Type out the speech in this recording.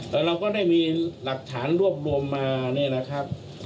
แต่เราก็ได้มีหลักฐานรวบรวมมาเนี่ยนะครับ